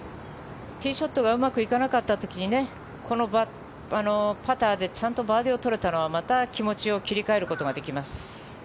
ティーショットがうまくいかなかった時にこのパターでちゃんとバーディーを取れたのはまた気持ちを切り替えることができます。